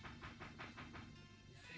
jangan di bandingi kang s trrey